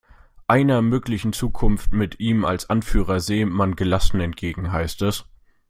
Einer möglichen Zukunft mit ihm als Anführer sehe man gelassen entgegen, heißt es.